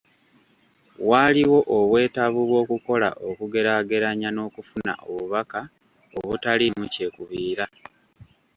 Waaliwo obwetaavu bw’okukola okugeraageranya n’okufuna obubaka obutaliimu kyekubiira.